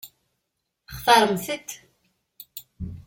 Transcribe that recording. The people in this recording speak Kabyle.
Textaṛem-tent?